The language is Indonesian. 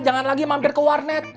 jangan lagi mampir ke warnet